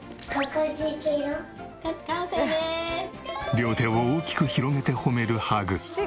両手を大きく広げて褒めるハグ。